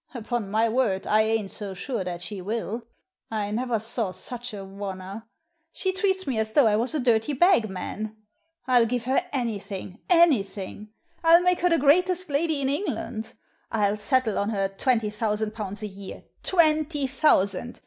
Upon my word, I ain't so sure that she will — I never saw such a oner. She treats me as though I was a dirty bagman. I'll give her anything— anything ! I'll make her the greatest lady in England ! I'll settle on her twenty thousand pounds a year ! Twenty thousand